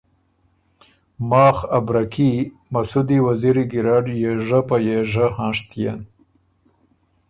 ماخ ا برکي مسُودی وزیری ګېرډ یېژۀ په یېژه هنشتيېن۔